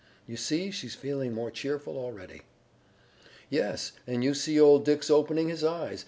You see, she's feeling more cheerful already." "Yes, and you see old Dick's opening his eyes.